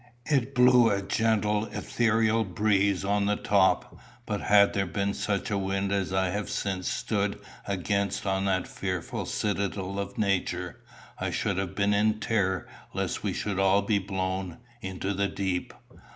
It blew a gentle ethereal breeze on the top; but had there been such a wind as I have since stood against on that fearful citadel of nature, I should have been in terror lest we should all be blown, into the deep.